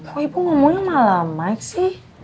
kok ibu ngomongnya malam mike sih